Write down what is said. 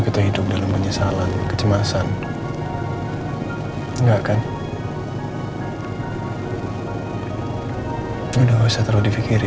kapanpun aku mau